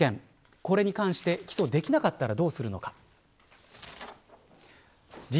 これに関して起訴できなかったらどうするのか。